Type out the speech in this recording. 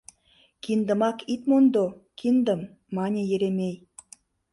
— Киндымак ит мондо, киндым, — мане Еремей.